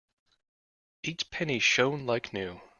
Each penny shone like new.